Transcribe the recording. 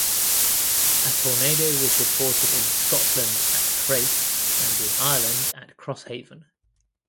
A tornado was reported in Scotland at Crathes and in Ireland at Crosshaven.